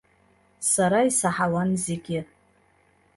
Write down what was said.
Сара исаҳауан зегьы.